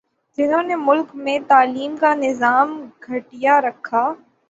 جہنوں نے ملک میں تعلیم کا نظام گٹھیا رکھا